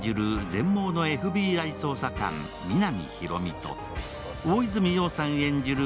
全盲のＦＢＩ捜査官皆実広見と大泉洋さん演じる